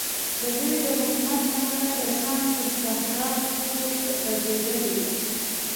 ددوی د حکومت لمنه د شام تر صحراو پورې غځېدلې وه.